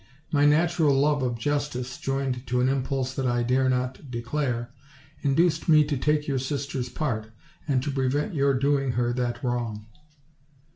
My natural love of justice, joined to an impulse that I dare nuu declare, induced me to take your sister's part, and to prevent your doing her that wrong."